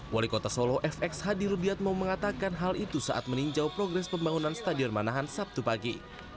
wali kota solo fx hadi rubiatmo mengatakan hal itu saat meninjau progres pembangunan stadion manahan sabtu pagi